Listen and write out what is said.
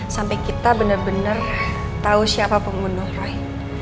sampai kita bener bener tahu siapa pembunuh roy